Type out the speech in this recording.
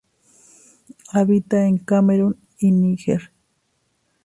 Habita en Camerún y Níger.